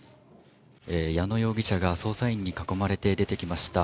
矢野容疑者が捜査員に囲まれて出てきました。